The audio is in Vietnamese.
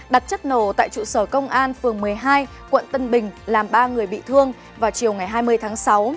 đặt chất nổ tại trụ sở công an phường một mươi hai quận tân bình làm ba người bị thương vào chiều ngày hai mươi tháng sáu